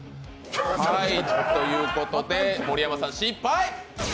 ということで盛山さん、失敗！